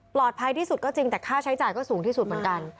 ที่สุดก็จริงแต่ค่าใช้จ่ายก็สูงที่สุดเหมือนกัน